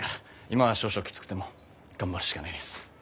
今は少々きつくても頑張るしかないです。